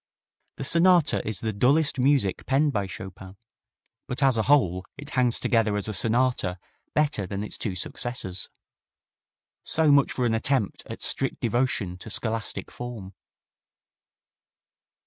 The sonata is the dullest music penned by Chopin, but as a whole it hangs together as a sonata better than its two successors. So much for an attempt at strict devotion to scholastic form.